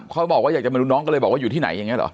เขาบอกว่าอยากจะไม่รู้น้องก็เลยบอกว่าอยู่ที่ไหนอย่างนี้เหรอ